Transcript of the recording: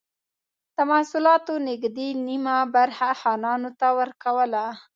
د محصولاتو نږدې نییمه برخه خانانو ته ورکوله.